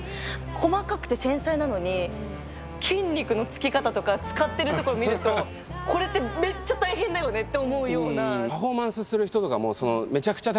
細かくて繊細なのに筋肉のつき方とか使ってるところ見るとこれってめっちゃ大変だよねって思うような。